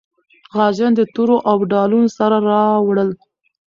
غازیان د تورو او ډالونو سره راوړل.